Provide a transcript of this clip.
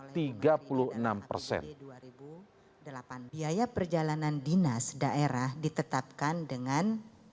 biaya perjalanan dinas daerah ditetapkan dengan